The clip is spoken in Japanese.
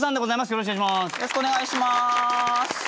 よろしくお願いします。